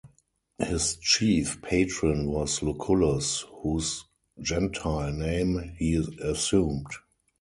His chief patron was Lucullus, whose gentile name he assumed.